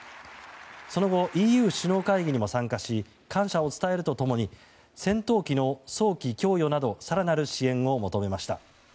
その後、ＥＵ首脳会議にも参加し感謝を伝えると共に戦闘機の早期供与など更なる支援を求めました。